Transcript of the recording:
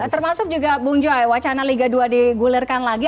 termasuk juga bung joy wacana liga dua digulirkan lagi